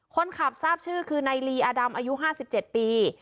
ทราบชื่อคือนายลีอดำอายุ๕๗ปี